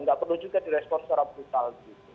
enggak perlu juga di respons secara brutal